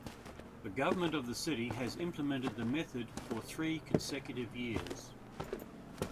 The government of the city has implemented the method for three consecutive years.